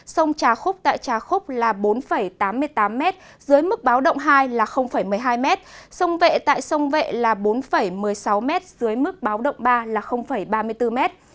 sông trà khúc tại trà khúc là bốn tám mươi tám m dưới mức báo động hai là một mươi hai m sông vệ tại sông vệ là bốn một mươi sáu m dưới mức báo động ba là ba mươi bốn m